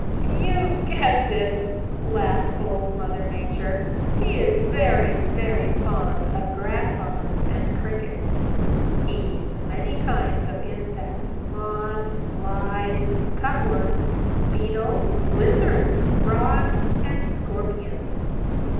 "You've guessed it," laughed Old Mother Nature. "He is very, very fond of Grasshoppers and Crickets. He eats many kinds of insects, Moths, Flies, Cutworms, Beetles, Lizards, Frogs and Scorpions.